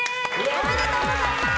おめでとうございます！